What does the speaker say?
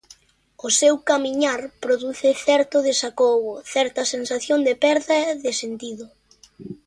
O seu camiñar produce certo desacougo, certa sensación de perda de sentido.